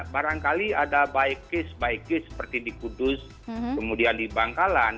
barangkali ada baik baiknya seperti di kudus kemudian di bangkalan